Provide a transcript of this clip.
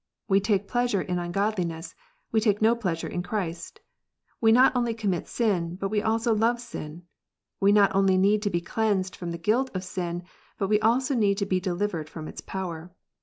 We take pleasure in ungodliness, we take no pleasure in Christ. We not only commit sin, but we also love sin. We not only need to be cleansed from the guilt of sin, but we also need to be delivered from its power.